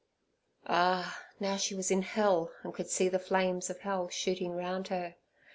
Ah! now she was in hell, and could see the flames of hell shooting round her.